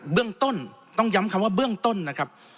เบื้องต้นต้องย้ำคำว่าเบื้องต้นนะครับ